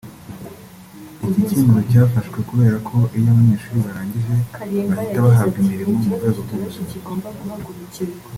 Iki cyemezo cyafashwe kubera ko iyo abo banyeshuri barangije bahita bahabwa imirimo mu rwego rw’ubuzima